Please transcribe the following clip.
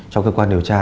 trong cơ quan điều tra